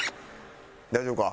大丈夫か？